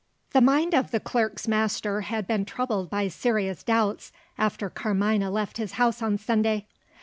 The mind of the clerk's master had been troubled by serious doubts, after Carmina left his house on Sunday.